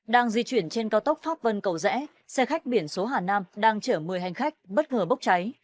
đang di chuyển trên cao tốc pháp vân cầu rẽ xe khách biển số hà nam đang chở một mươi hành khách bất ngờ bốc cháy